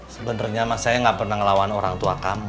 sebenernya mah saya gak pernah ngelawan orang tua kamu